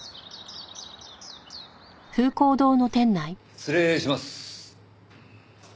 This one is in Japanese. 失礼します。